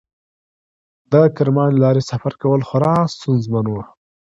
د کرمان له لارې سفر کول خورا ستونزمن و.